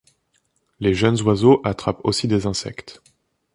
Les jeunes oiseaux attrapent aussi des insectes.